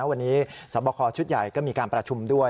วันนี้สอบคอชุดใหญ่ก็มีการประชุมด้วย